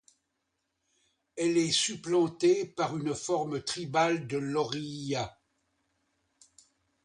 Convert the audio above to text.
Elle est supplantée par une forme tribale de l'oriya.